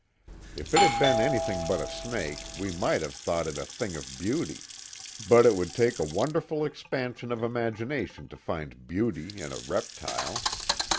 If it had been anything but a snake, we might have thought it a thing of beauty; but it would take a wonderful expansion of imagination to find beauty in a reptile.